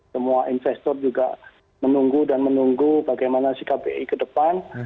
semua investor juga menunggu dan menunggu bagaimana sikap bi ke depan